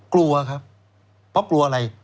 กลัวครับเพราะกลัวอะไร